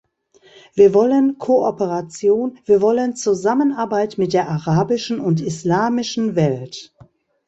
Wir wollen Kooperation, wir wollen Zusammenarbeit mit der arabischen und islamischen Welt.